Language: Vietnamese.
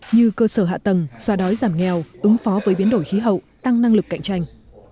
như cơ sở hạ tầng xoa đói giảm nghèo ứng phó với biến đổi khí hậu tăng năng lực cạnh tranh